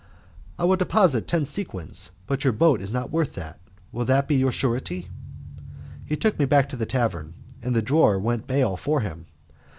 "I will deposit ten sequins, but your boat is not worth that. Who will be your surety?" He took me back to the tavern, and the drawer went bail for him.